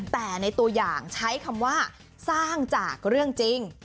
แต่ในตัวอย่างใช้คำว่าสร้างจากเรื่องจริง